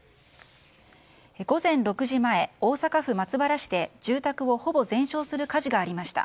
午前６時前、大阪府松原市で住宅をほぼ全焼する火事がありました。